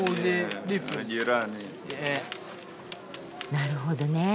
なるほどねえ。